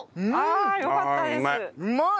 ああよかったです。